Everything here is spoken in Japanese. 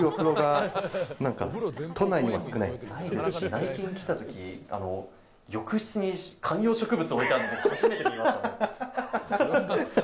内見来たとき、浴室に観葉植物、置いてあるのを初めて見ました。